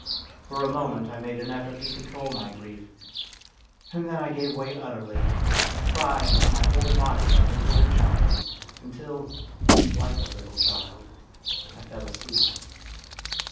For a moment I made an effort to control my grief; and then I gave way utterly, crying with my whole body like a little child, until, like a little child, I fell asleep.